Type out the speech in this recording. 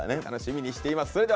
楽しみにしています。